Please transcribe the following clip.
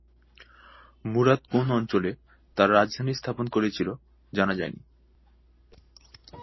মুরাদ কোন অঞ্চলে তার রাজধানী স্থাপন করেছিল জানা যায়নি।